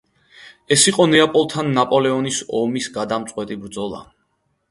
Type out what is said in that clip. ეს იყო ნეაპოლთან ნაპოლეონის ომის გადამწყვეტი ბრძოლა.